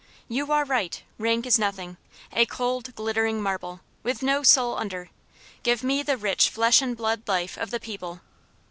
"You are right; rank is nothing a cold, glittering marble, with no soul under. Give me the rich flesh and blood life of the people.